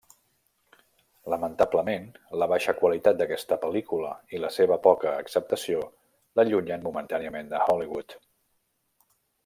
Lamentablement, la baixa qualitat d'aquesta pel·lícula i la seva poca acceptació l'allunyen momentàniament de Hollywood.